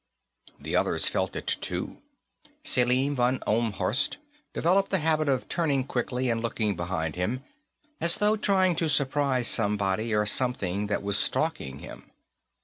The others felt it, too. Selim von Ohlmhorst developed the habit of turning quickly and looking behind him, as though trying to surprise somebody or something that was stalking him.